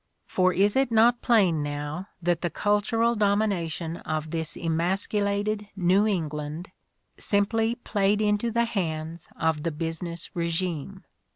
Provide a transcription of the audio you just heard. For is it not plain now that the cultural domination of this emasculated New England simply played into the hands of the business regime?